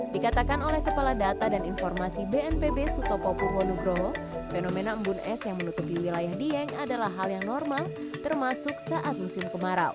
dikatakan oleh kepala data dan informasi bnpb sutopo purwonugroho fenomena embun es yang menutupi wilayah dieng adalah hal yang normal termasuk saat musim kemarau